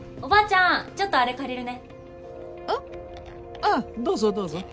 ああどうぞどうぞ。